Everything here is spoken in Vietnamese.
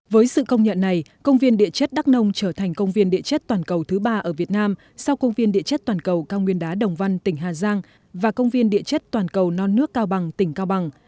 với sự công nhận này công viên địa chất đắc nông trở thành công viên địa chất toàn cầu thứ ba ở việt nam sau công viên địa chất toàn cầu cao nguyên đá đồng văn tỉnh hà giang và công viên địa chất toàn cầu non nước cao bằng tỉnh cao bằng